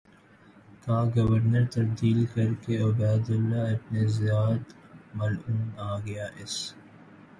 کا گورنر تبدیل کرکے عبیداللہ ابن زیاد ملعون آگیا اس